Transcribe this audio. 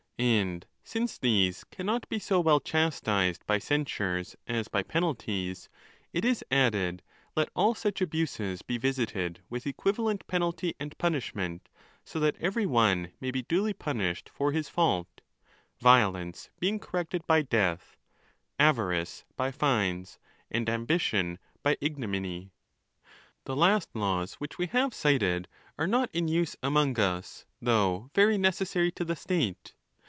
And since these cannot be so well chastised by censures as by penalties, it is added, let all such DE NAT. ETC. II 482 ON THE LAWS. abuses be visited with equivalent penalty and punishment, go that every one may be duly punished for his fault: violence 'being corrected by death, avarice by fines, and ambition by: ignominy. The last laws which we have cited are not in use among "us, though very necessary to the state.